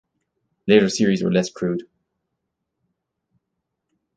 Later series were less crude.